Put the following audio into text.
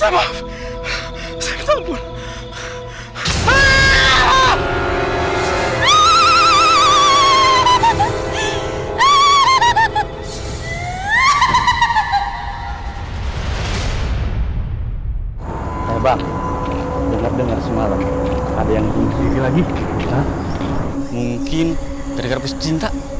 bang bang denger dengar semalam ada yang lagi mungkin terkena pescinta